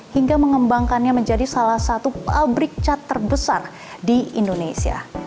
hingga mengembangkannya menjadi salah satu pabrik cat terbesar di indonesia